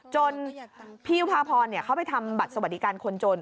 จนพี่ยุภาพรเขาไปทำบัตรสวัสดิการคนจน